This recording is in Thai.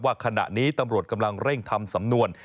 ว่าขณะนี้ตำรวจกำลังเร่งทำสำนวน